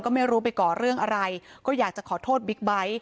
ก็ไม่รู้ไปก่อเรื่องอะไรก็อยากจะขอโทษบิ๊กไบท์